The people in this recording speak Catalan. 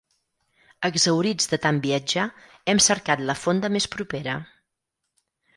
Exhaurits de tant viatjar, hem cercat la fonda més propera.